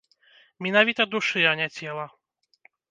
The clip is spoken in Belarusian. Менавіта душы, а не цела.